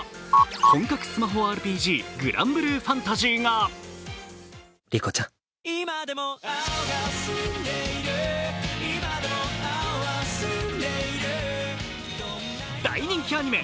本格スマホＲＰＧ、「グランブルーファンタジー」が大人気アニメ